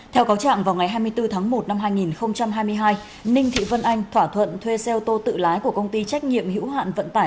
theo cáo trạng vào ngày hai mươi bốn tháng một năm hai nghìn hai mươi hai ninh thị vân anh thỏa thuận thuê xe ô tô tự lái của công ty trách nhiệm hữu hạn vận tải